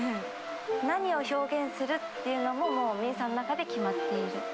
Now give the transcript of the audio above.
何を表現するっていうのももう泯さんの中で決まっている。